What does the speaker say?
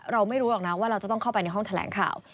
เราไม่รู้หรอกนะว่าเราจะต้องเข้าไปในห้องแถลงข่าว